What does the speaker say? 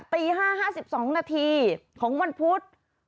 ตี๕๕๒นาทีของวันพุธ